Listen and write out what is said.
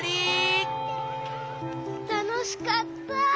たのしかった！